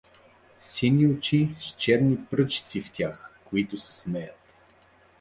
Сини очи с черни пръчици в тях, които се смеят.